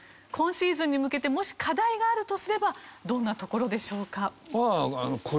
今シーズンに向けてもし課題があるとすればどんなところでしょうか？